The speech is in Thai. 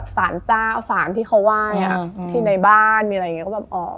สารต้อนกับสารที่เขาว่ายอะที่ในบ้านมีอะไรอย่างเนี่ยก็แบบ